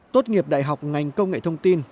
tốt nghiệp đại học ngành công nghệ thông tin